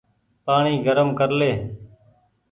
پآڻيٚ گرم ڪر لي ۔